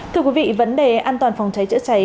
thưa quý vị vấn đề an toàn phòng cháy chữa cháy